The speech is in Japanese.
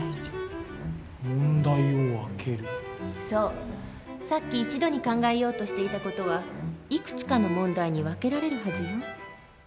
そうさっき一度に考えようとしていた事はいくつかの問題に分けられるはずよ。